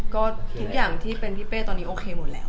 ก็ทุกอย่างที่เป็นพี่เป้ตอนนี้โอเคหมดแล้ว